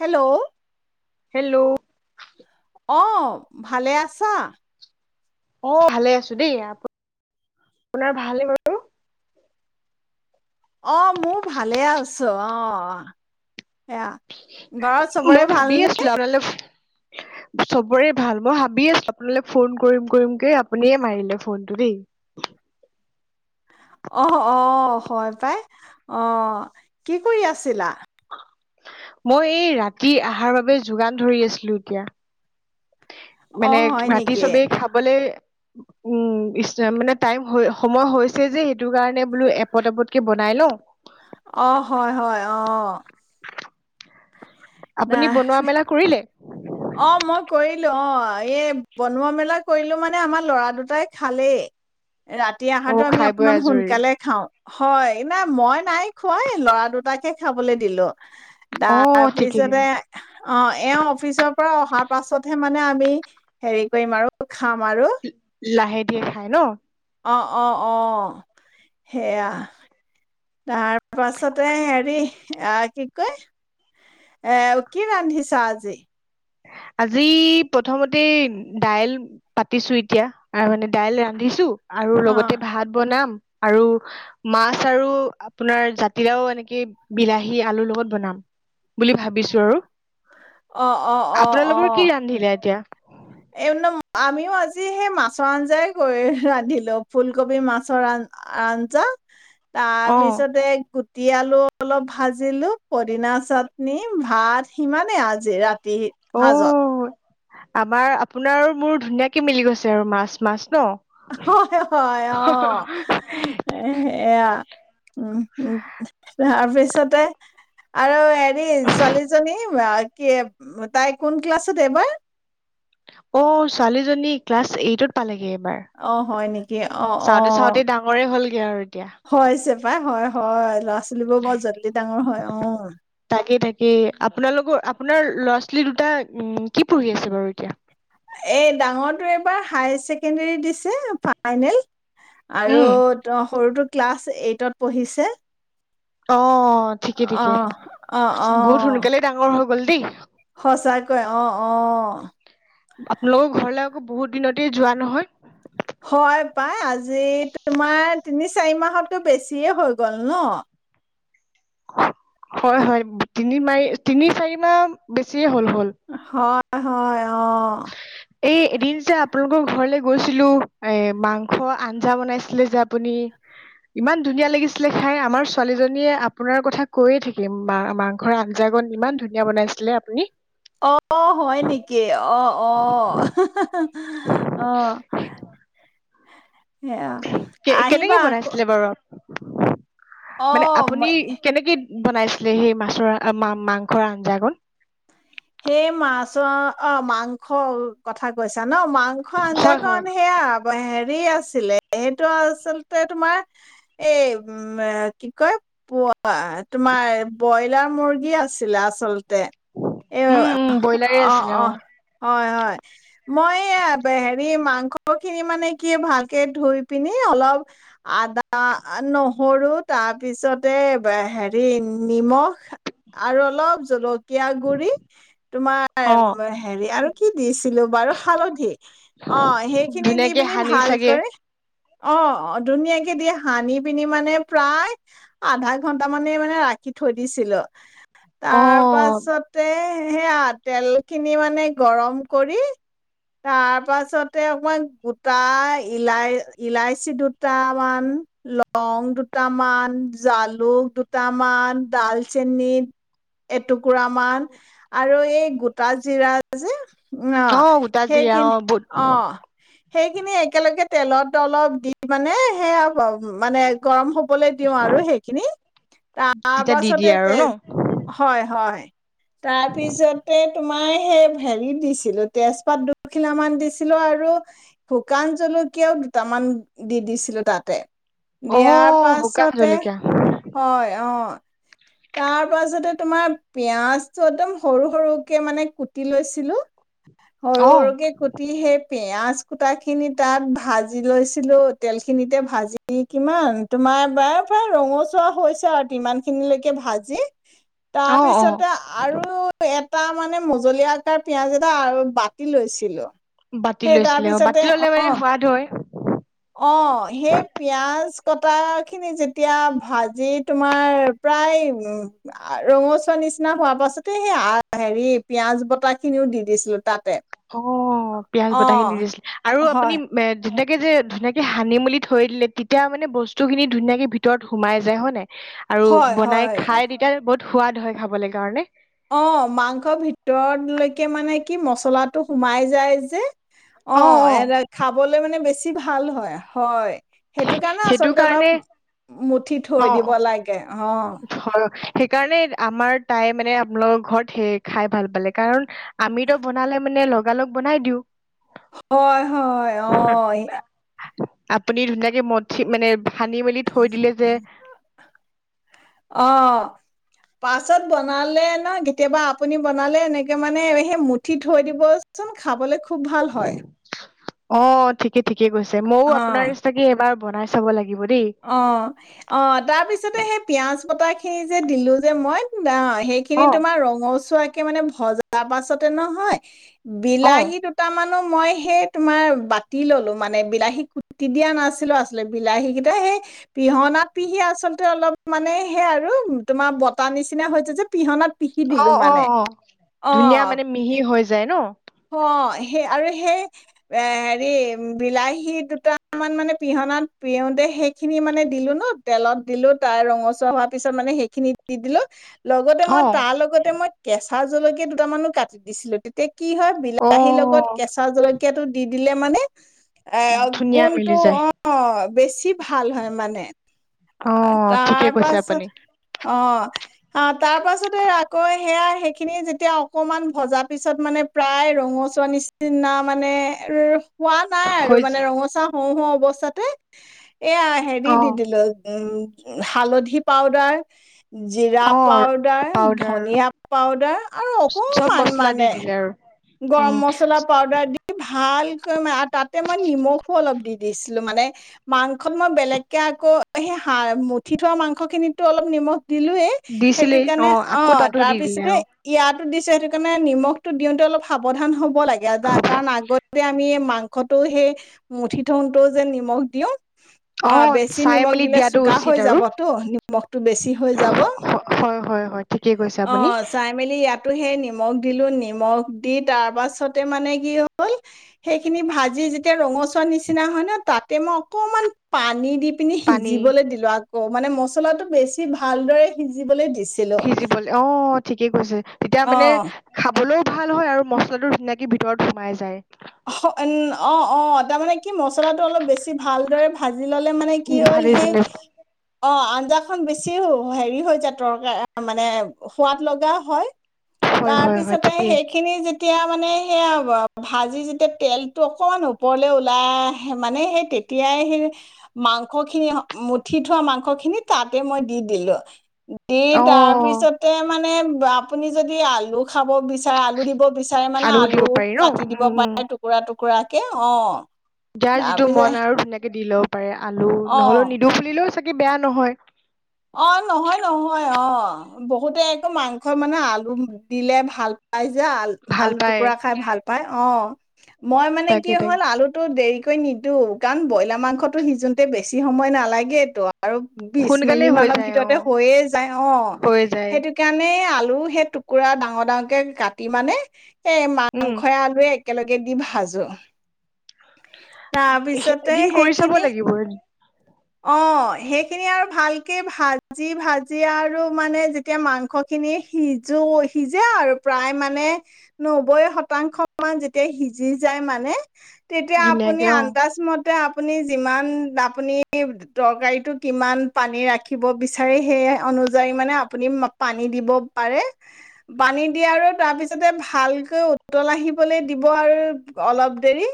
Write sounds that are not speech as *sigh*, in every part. Hello hello অ ভালে আছা অ ভালে আছো দেই আপ আপোনাৰ ভাল নে বাৰু অ মোৰ ভালে আছো অ অহ, এয়া- ঘৰত চবৰে মই ভাবিয়ে ভালনে আছিলো আপোনালে ফো চবৰে ভাল। মই ভাবি আছিলো আপোনালৈ ফোন কৰিম কৰিম কে, আপুনিয়ে মাৰিলে ফোনটো দেই। অহ অ হয় পাই, অহ। কি কৰি আছিলা? মই এই ৰাতি অহাৰ বাবে যোগান ধৰি আছিলোঁ এতিয়া। অ মানে হয় ভাতি নেকি চবেই খাবলে- উম ইচ ৰাম, মানে টাইম হৈ সময় হৈছে যে, সেইটো কাৰণে বোলোঁ এপত এপতকে বনাই লওঁ। অ, হয় হয়, অ। আপুনি নাই বনোৱা-মেলা কৰিলে? অ, মই কৰিলোঁ, অ। এই বনোৱা-মেলা কৰিলো মানে আমাৰ ল'ৰা দুটাই খালেই। ৰাতি আহাৰটো অ আমি খাই বৈ অকনমান আজৰি সোনকালে খাওঁ। হয়, না মই নাই খোৱা ল'ৰা দুটাকে খাবলৈ দিলোঁ। অ তাৰ ঠিকে ঠিকে পিছতে, অহ এওঁ অফিচৰ- ও‌ অহাৰ পাছতহে মানে আমি, হেৰি কৰিম আৰু। খাম আৰু। কে খায় ন? অ অ অ, সেয়া। তাৰ পাছতে হেৰি, অহ কি কয়, এ কি ৰান্ধিছা আজি? আজি প্ৰথমতে দাইল পাতিছোঁ এতিয়া, আৰু মানে দাইল ৰান্ধিছোঁ- আৰু অ', লগতে ভাত বনাম- আৰু মাছ আৰু আপোনাৰ জাতিলাও এনেকে বিলাহী-আলুৰ লগত বনাম বুলি ভাবিছোঁ আৰু। অ', অ', আপোনালোকৰ কি ৰান্ধিলে এতিয়া? একদম আমিও আজি সেই মাছৰ আঞ্জাই কৰি ৰান্ধিলো ফুলকবি মাছৰ আঞ্জা অ তাৰপিছতে গোঁতি আলু অলপ ভাজিলো পদিনা চাটনি ভাত সিমানেই আজি ৰাতি অ হাজত আমাৰ আপোনাৰো মোৰ ধুনীয়াকে মিলি গৈছে আৰু মাছ মাছ ন হয় হয় অ সেয়া উম উ তাৰপিছতে আৰু হেৰি ছোৱালীজনী বাঃ কি তাই কোন ক্লাছত এইবাৰ অ ছোৱালীজনী ক্লাছ এইটত পালেগে এইবাৰ অঁ হয় নেকি অঁ চাওঁতে অঁ চাওঁতে *unintelligible* হয়ছে পাই হয় হয় লষ্ট চোৱালিবোৰ বৰ জল্দি ডাঙৰ হয় অ তাকে তাকে আপোনালোকৰ আপোনাৰ ল'ৰা ছোৱালী দুটা উ কি পঢ়ি আছে বাৰু এতিয়া এ ডাঙৰটো এবাৰ হায়াৰ চছেকেণ্ডৰী দিছে ফাইনেল আৰু উম ত সৰুটো ক্লাছ এইটত পঢ়িছে অ অ ঠিকে অ ঠিকে অ অ বহুত সোনকালে ডাঙৰ হল হল্ দেই সঁচাকৈ অ অ আপোনালোকৰ ঘৰলে আকৌ বহুত দিনতে যোৱা নহয়। হয় প্ৰায় আজি তোমাৰ তিনি চাৰি মাহতকৈ বেছিয়ে হৈ গ'ল ন হয় হয় তিনি মাৰি তিনি চাৰি মাহ বেছি এ হ'ল হল হয় হয় অ' এই এদিন যে আপোনালোকৰ ঘৰলৈ গৈছিলো এ মাংস আঞ্জা বনাইছিলে যে আপুনি ইমান ধুনীয়া লাগিছিলে খাই আমাৰ ছোৱালীজনীয়ে আপোনাৰ কথা কৈয়ে থাকে মাংসৰ আঞ্জাকন ইমান ধুনীয়া বনাইছিলে আপুনি অ হয় নেকি অ অ অ সেয়া কে কেনেকে আহিবা আকৌ বনাইছিলে বাৰু মানে অ', আপুনি ম- কেনেকে বনাইছিলে সেই মাছৰ মা মাংসৰ আঞ্জা কন সেই মাছৰ অ মাংস কথা কৈছা ন মাংস আঞ্জা হয় হয় কন সেয়া হেৰি আছিলে সেইটো আচলতে তোমাৰ এই উম কি কয় প অ তোমাৰ বইল *unintelligible* মুৰ্গী আছিলে আচলতে এ উম উম ব্ৰইলাৰে অ আছিলে অ হয় হয় মই হেৰি ম মাংসখিনি মানে কি ভালকে ধুই পিনি অলপ আদা নহৰু তা পিছতে অ হেৰি নিমখ আৰু অলপ জলকীয়া গুৰি অ তোমাৰ হেৰি আৰু কি দিছিলো বাৰু হালধি অ সেইখিনি দি ধুনীয়াকে পিনি সানি চাগে ভালকৈ অ অ ধুনীয়াকে দি সানি পিনি মানে প্ৰায় আধা ঘন্টা মান মানে ৰাখি থৈ দিছিলো অ তাৰ পাছত সেয়া তেল খিনি মানে গৰম কৰি তাৰ পাছতে অকমান গোটা ইল ইলাচি দুটামান লং দুটামান জালুক দুটামান ডালচেনী এটুকুৰা মান আৰু এই গোট কালজিৰা যে অ গোটা সেই জিৰা অ কিনি বুট অ সেইখিনি একেলগে তেলত অলপ দি মানে সেয়া মানে গৰম হ *unintelligible* লে দিওঁ আৰু সেইখিনি তেতিয়া দি দিয়ে তাৰপাছতে আৰু ন তেজ হয় হয় তাৰপিছতে তোমাৰ সেই হেৰি দিছিলো তেজপাত দুখিলামান দিছিলো আৰু শুকান জলকীয়াও দুটামান দি দিছিলো তাতে অ দিয়াৰ শুকান পাছতে জলকীয়া হয় অ তাৰ পাছতে তোমাৰ পিয়য়াজটো একদম সৰু সৰুকে মানে কুটি লৈছিলো সৰু অ সৰুকে কুটি সেই পিয়াজ কুটা খিনি তাত ভাজি লৈছিলো তেল খিনিতে ভাজি কিমান তোমাৰবাৰ প্ৰায় ৰঙচুৱা হৈছে আ তিমান খিনি লৈকে কে ভাজি অ অ তাৰপিছতে আৰু এ তাৰ মানে মজলীয়া আকাৰ পিয়াজ এটা আৰু বাতি লৈছিলো বাতি সেই লৈছিলে অ তাৰপিছতে বাতি ললে অ', সোৱাদ হয় অ সেই পিয়াজ কটা খিনি যেতিয়া ভাজি তোমাৰ প্ৰায় উ- অ পিয়াজ বতাহ খিনি দিছিলে আৰু আপুনি হয়, যে ধুনীয়াকে সানি মেলি থৈ দিলে তেতিয়া মানে বস্তু খিনি ধুনীয়াকে ভিতৰত সোমাই যায় হয় নাই? আৰু হয়, বনাই হয়। খাই তেতিয়া বহুত সোৱাদ হয় খাবলে কাৰণে অ মাংসৰ ভিতৰলৈকে মানে কি মচলাটো সোমাই যায় যে অ এৰা খাবলৈ মানে বেছি ভাল হয় হয় সেইটো কাৰণে আচলতে অলপ মুঠি থৈ অ দিব লাগে অ হয় সেইকাৰণে আমাৰ তাই মানে আপোনালোকৰ ঘৰত সেই খাই ভাল পালে, কাৰণ আমিতো বনালে মানে লগালগ বনাই দিও হয় হয় অ ফু *unintelligible* আপুনি ধুনীয়াকে মঠি মানে সানি মেলি থৈ দিলে যে। অ', পাছত বনালে ন, কেতিয়াবা আপুনি বনালে এনেকে মানে সেই মঠি থৈ দিবচোন খাবলৈ খু- খুব ভাল হয়। অ' ঠিকে ঠিক থিকে কৈছে, মও আপোনাৰ অ নিচিনাকে এইবাৰ বনাই চাব লাগি- অ', অ তাৰপিছতে সেই পিয়াজ পতা সেই যে, দিলো যে মই দা আ, সেইখিনি অ তোমাৰ ৰঙচুৱা তাকে মানে, ভজা পাছতেই নহয় অ বিলাহী দুটামান। অ মই সেই তোমাৰ বাতি ল'লো মানে। বিলাহী কুটি দিয়া নাছিলো আচলতে, বিলাহী গি তে সেই পিহনাত পিহি আচলতে অলপ মানে, সেই আৰু তোমাৰ বতা নিচিনা হৈছে যে পিহনাত পি অ'অ'অ' ধুনীয়া মানে মিহি হৈ যায় ন? অ সেই আৰু সেই এ হেৰি বিলাহী দুটামান মানে পিহনাত পিহোতেই সেইখিনি মানে দিলো ন, তেলত দিলো। তাই ৰঙচুৱা হোৱাৰ পিছত মানে সেইখিনি দি দিলো লগতে অ মই, তা লগতে মই কেচ থা জলকীয়া দুটামানো কাটি দিছিলে, তেতিয়া কি কি হয়, অ বিলাহীৰ লগত কেঁচা জলকীয়াটো দি দিলে মানে। এ অ ধুনীয়া গুণ টো মিলি যায় অ' বেছি ভাল হয় মানে। আ অ ঠিকে তাৰ কৈছে পাছত আপুনি অ'। আ তাৰ পাছতে আকৌ সেয়া, সেইখিনি যেতিয়া অকমান ভজা পিছত মানে প্ৰায় ৰঙচুৱা নিচিনা মানে ৰো হোৱা নাই আৰু হৈ মানে ৰঙচোৱা। হওঁ হওঁ অৱস্থাতে। এয়া, হেৰি অ দি দিলো *unintelligible* হালধি পাউদাৰ। জীৰা অ পাউদাৰ, পাউদাৰ ধনিয়া পাউদাৰ আৰু চব অকমান মছলা দি মানে দিলে আৰু উম গৰম - মছলা, পাউদাৰ দি, ভা, ভালকৈ ম তাতে মই নিমখো অলপ দি দিছিলো, মানে মাংসত মই বেলেগকে আকৌ সেই হাৰ মুঠি থোৱা মাংসখিনিতো অলপ নিমখ দিলোয়েই সেইটো দিছিলেই কাৰণে অ আকৌ তাতো দি দিলে তাৰপিছতে অ ইয়াত দিছে সেইটো কাৰণে নিমখটো দিওঁতে অলপ সাৱধান হ'ব হ'ব লাগে কাৰণ আগতে আমি মাংসটো সেই মুঠি থনটো যে নিমখ দিওঁ অ বেছি চাই নিমখ মেলি দিলে দিয়াটো চোকা উচিত হৈ আৰু যাবতো নিমখটো বেছি হৈ যাব হয় হয় হয় ঠিকেই কৈছে অ আপুনি চাই মেলি ইয়াতো সেই নিম নিমখ দিলো নিমখ দি তাৰপাছতে মানে কি হ'ল সেইখিনি ভাজি যেতিয়া ৰঙচুৱা নিচিনা হয় ন তাতে মই অকণমান পানী দি পিনি পানী সিজিবলৈ দিলো আ অ মানে মছলাটো বেছি ভালদৰে সিজিবলে দিছে সিজিবলে অ ঠিকেই কৈছে তেতিয়া অ মানে খাবলৈও ভাল হয় আৰু মছলাটো ধুনীয়াকে ভিতৰত সোমাই যায় অ উ অ অ তাৰ মানে কি মছলাটো অলপ বেছি ভালদৰে ভাজি লিলে মানে কি উম হ'ল ভালে সেই ভালে অ আঞ্জাখন বেছি হেৰি হৈ যায় তৰকাৰ মানে সোৱাদ লগা হয় হয় তাৰ হয় হয় পিছতে ঠিকেই সেইখিনি যেতিয়া মানে সেয়া হ ভাজ আজি যেতিয়া তেলটো অকমান ওপৰলে ওলাই আহে মানে সেই তেতিয়াই সেই মাংস খিনি মুঠি থোৱা মাংস খিনি তাতে মই দি দিলো দি অ তাৰপিছতে মানে আপুনি যদি আলু খাব বিচাৰে বিচাৰে আলু দিব বিচাৰে মানে আলুও আলু দিব পাৰি ন কাটি দিব উম পাৰে উম টুকুৰা টুক কুকুৰাকে অ যাৰ যিটো তাৰপিছত মন আৰু ধুনীয়াকে দি লওঁ পাৰে আলু অ'। নহ'লেও নিদু বুলিলেও চাগে বেয়া নহয় অ নহয় নহয় অ বহুতে একো মাংস মানে আলু দিলে ভাল ৰাই যে আল ভাল আলু পায় টুকুৰা খাই ভাল পায় অ মই মানে কি তাকে তাকে হ'ল আলুটো দেৰি কি নিপু কাৰণ ব্ৰইলাৰ মাংসতো সিজোতে বেছি সময় নালাগেতো আৰু বিশ সোনকালে এদিন হৈ মানৰ যায় অ ভিতৰতে হৈয়ে যায় অ হৈ যায় সেইটো কাৰণে আলু সেই টুকুৰা ডাঙৰ ডাঙৰ কাটি মানে এই উম মাংসই আলুৱে একেলগে দি ভাজো তাৰপিছতে এদিন কৰি চাব সেইখিনি, লাগিব অ! সেইখিনি আৰু ভালকে ভাজি, ভাজি আৰু মানে যেতিয়া মাংস খিনি সিজো, সিজে আৰু প্ৰায় মানে তেতিয়া আপুনি, ধুনীয়াকে অ আন্দাজমতে এ! আপুনি যিমান আপুনি, তৰকাৰীটো কিমান পানী ৰাখিব বিচাৰে, সেই অনুযায়ী মানে আপুনি পানী দিব পাৰে। পানী দি আৰু তাৰ পিছতে ভালকৈ উতল আহিবলৈ দিব আৰু অলপ দেৰি,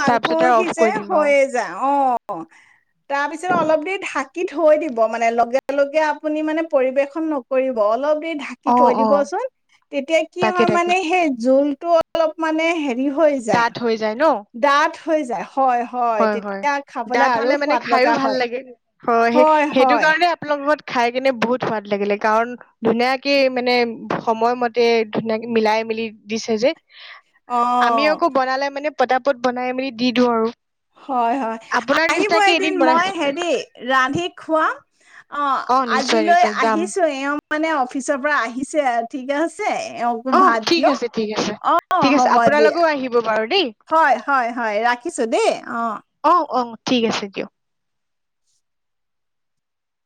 মাংসও তাৰপিছত আৰু অফ সিজে কৰি দিম আৰু হৈয়ে যায়, অ! তাৰপিছত, অলপ দেৰি ঢা ঢাকি থৈ দিব, মানে লগে, লগে আপুনি মানে পৰিৱেশন নকৰিব অলপ ঢাকি থৈ অ অ দিবচোন। তেতিয়া, কি তাকে হয় তাকে মানে সেই জোল টো অলপ মানে হে হৈ যায় দাঁত হৈ যায় ন দাতঁ হৈ যা হয় হয় তেতিয়া খাবলৈ দাঁত আৰু হলে মানে সোৱাদ খাইও লগা ভাল হয় লাগে হয় সেই সেইটো কাৰণে আপোনালোক ত খাই কেনে বহুত সোৱাদ লাগিলে কাৰণ ধুনীয়াকে মানে সময়মতে ধুনাকে মিলাই মিলি দিছে যে অ আমি আকৌ বনালে মানে পতাপত বনাই মেলি দি দিওঁ আৰু হয় হয় আপোনাৰ আহিব নিচিনাকে এদিন মই বনাইছো হেৰি ৰান্ধি খোৱা অ নিশ্চয় আজিলৈ নিশ্চয় যাম আহিছো এওঁ মানে অফিচৰ পৰা আহিছে আৰু ঠিকে আছে এওঁকো অ ভাত ঠিক দিয়ক আছে ঠিক আছে অ ঠিক আছে হ'ব আপোনাল দিয়া লগেও আহিব বাৰু দেই হয় হয় হয় ৰাখিছো দেই অ অ ঠিক আছে দিয়